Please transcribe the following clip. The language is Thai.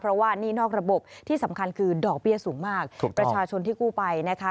เพราะว่าหนี้นอกระบบที่สำคัญคือดอกเบี้ยสูงมากประชาชนที่กู้ไปนะคะ